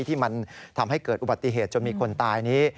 ที่มันทำให้เกิดอุบัติเหตุจนมีคนตายนี้